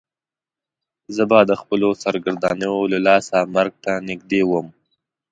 زه به د خپلو سرګردانیو له لاسه مرګ ته نږدې وم.